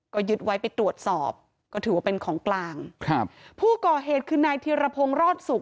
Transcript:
ก็ยึดไว้ไปตรวจสอบก็ถือว่าเป็นของกลางครับผู้ก่อเหตุคือนายธิรพงศ์รอดสุข